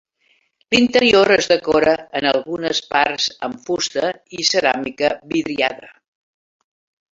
L'interior és decorat en algunes parts amb fusta i ceràmica vidriada.